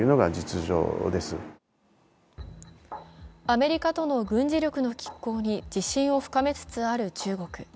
アメリカとの軍事力の拮抗に自信を深めつつある中国。